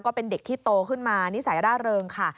ก็เป็นเด็กที่โตขึ้นมานิสัยร่าเริงค่ะ